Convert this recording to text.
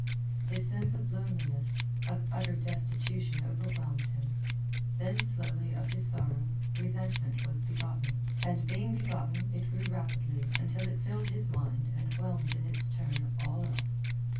His sense of loneliness, of utter destitution overwhelmed him. Then slowly of his sorrow resentment was begotten, and being begotten it grew rapidly until it filled his mind and whelmed in its turn all else.